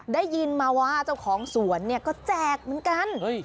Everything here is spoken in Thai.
ได้ยินมาว่าเจ้าของสวนเนี่ยก็แจกเหมือนกัน